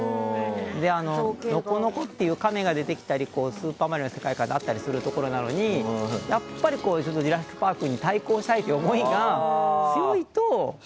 で、ノコノコっていうカメが出てきたり「スーパーマリオ」の世界観があったりするところなのに「ジュラシック・パーク」に対抗したいという思いが強いと。